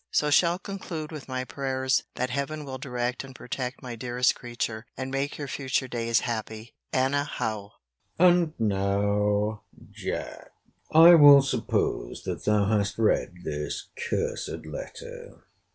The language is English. So shall conclude with my prayers, that Heaven will direct and protect my dearest creature, and make your future days happy! ANNA HOWE. And now, Jack, I will suppose that thou hast read this cursed letter.